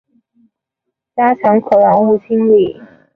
加强可燃物清理